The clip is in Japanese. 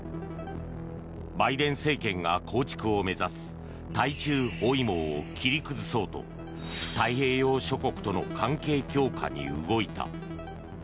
バイデン政権が構築を目指す対中包囲網を切り崩そうと太平洋諸国との関係強化に動いた。